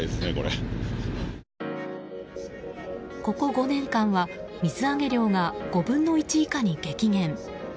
ここ５年間は水揚げ量が５分の１以下に激減。